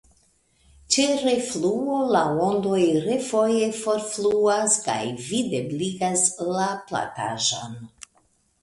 Ĉe refluo la ondoj refoje forfluas kaj videbligas „la plataĵon“.